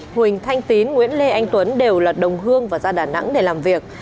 huỳnh thanh tín nguyễn lê anh tuấn đều là đồng hương và ra đà nẵng để làm việc